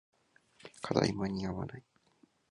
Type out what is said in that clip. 課題間に合わない